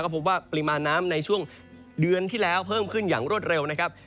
พบว่าปริมาณน้ำในช่วงเดือนที่แล้วเพิ่มขึ้นอย่างรวดเร็วนะครับ